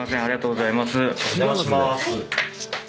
お邪魔しまーす。